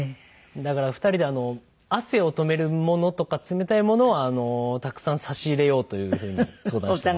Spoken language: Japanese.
だから２人で汗を止めるものとか冷たいものをたくさん差し入れようという風に相談しています。